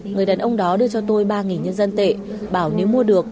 người đàn ông đó đưa cho tôi ba nhân dân tệ bảo nếu mua được